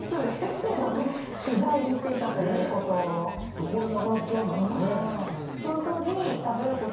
そこで亡くなっちゃうんだもんね。